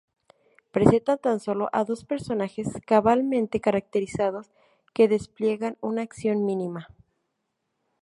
Presenta tan sólo a dos personajes cabalmente caracterizados que despliegan una acción mínima.